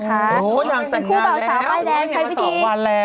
โอ้ยอย่างแต่งงานแล้วเป็นคู่เบาสาวใบแดงใช้พิธีอย่างสองวันแล้ว